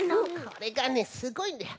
これがねすごいんだよ！